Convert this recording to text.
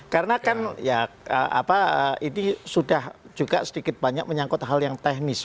karena kan ya apa ini sudah juga sedikit banyak menyangkut hal yang teknis